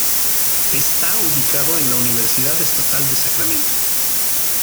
Está ubicado en la Universidad Estatal de Sacramento.